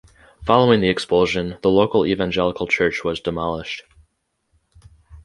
Following the expulsion the local Evangelical church was demolished.